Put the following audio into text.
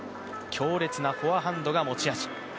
強烈なフォアハンドが持ち味。